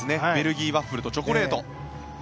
ベルギーワッフルとチョコレート。